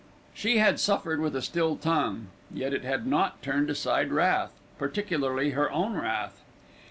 She had suffered with a still tongue; yet it had not turned aside wrath, particularly her own wrath.